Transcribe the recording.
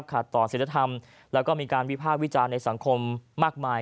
ขัดต่อศิลธรรมแล้วก็มีการวิภาควิจารณ์ในสังคมมากมาย